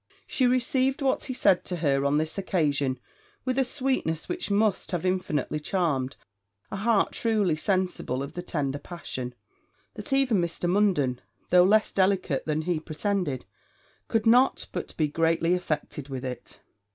She received what he said to her, on this occasion, with a sweetness which must have infinitely charmed a heart truly sensible of the tender passion, that even Mr. Munden, though less delicate than he pretended, could not but be greatly affected with it.